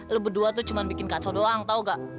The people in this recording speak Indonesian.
lo berdua tuh cuma bikin kacau doang tau gak